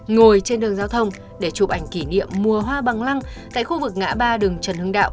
ngồi trên đường giao thông để chụp ảnh kỷ niệm mùa hoa bằng lăng tại khu vực ngã ba đường trần hưng đạo